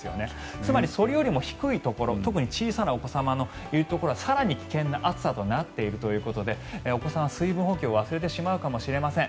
つまりそれよりも低いところ特に小さなお子様のいるところは更に危険な暑さとなっているということでお子さん、水分補給を忘れてしまうかもしれません。